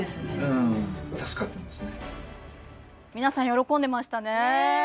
皆さん喜んでましたねねえ